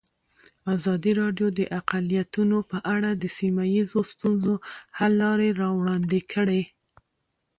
ازادي راډیو د اقلیتونه په اړه د سیمه ییزو ستونزو حل لارې راوړاندې کړې.